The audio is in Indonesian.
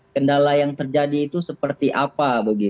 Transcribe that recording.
kendala yang terjadi itu seperti apa